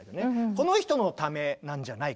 この人のためなんじゃないかと。